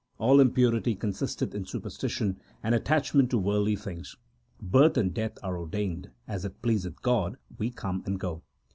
All impurity consisteth in superstition and attachment to worldly things. Birth and death are ordained ; as it pleaseth God, we come and go.